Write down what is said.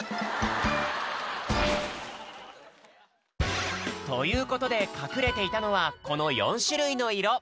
それじゃあということでかくれていたのはこの４しゅるいのいろ。